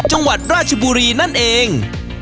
จังหวัดราชบุรีนั่นเอง